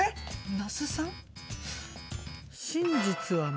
那須さん？